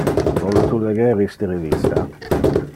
Vole tu leger iste revista?